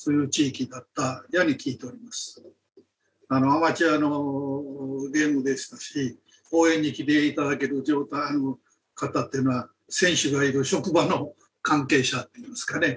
アマチュアのゲームでしたし応援に来ていただける状態の方っていうのは選手がいる職場の関係者っていうんですかね